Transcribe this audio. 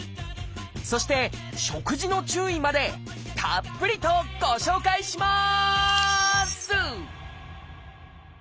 そして食事の注意までたっぷりとご紹介します！